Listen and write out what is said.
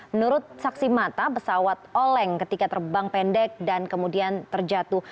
menurut saksi mata pesawat oleng ketika terbang pendek dan kemudian terjatuh